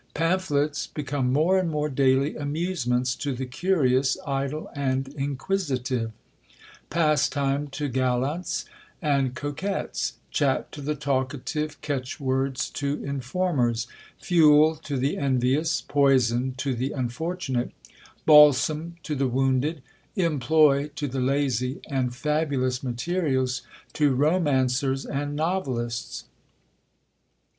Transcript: Pamphlets become more and more daily amusements to the curious, idle, and inquisitive; pastime to gallants and coquettes; chat to the talkative; catch words to informers; fuel to the envious; poison to the unfortunate; balsam to the wounded; employ to the lazy; and fabulous materials to romancers and novelists."